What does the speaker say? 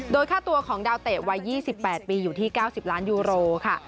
โดยค่าตัวของดาวเตะวัย๒๘ปีอยู่ที่๙๐ล้านยูโรค่ะ